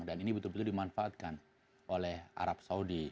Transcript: dan ini betul betul dimanfaatkan oleh arab saudi